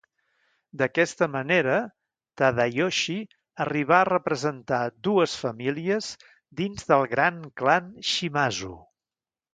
D'aquesta manera, Tadayoshi arribà a representar dues famílies dins del gran clan Shimazu.